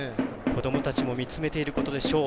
子どもたちも見つめていることでしょう。